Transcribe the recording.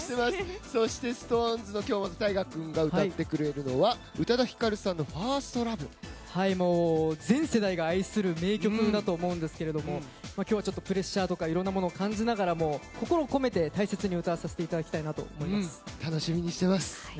ＳｉｘＴＯＮＥＳの京本大我くんが歌ってくれるのは宇多田ヒカルさんの「ＦｉｒｓｔＬｏｖｅ」全世代が愛する名曲だと思うんですが今日はプレッシャーとかいろんなものを感じながらも心を込めて大切に歌わせていただきたいと思楽しみにしています。